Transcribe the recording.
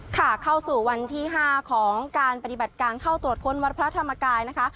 ค่ะเข้าสู่วันที่๕ของการปฏิบัติการเข้าตรวจค้นวัดพระธรรมกายนะคะ